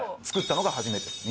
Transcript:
作ったのが初めて。